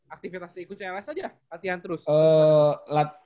aktivitas ikut cls aja latihan terus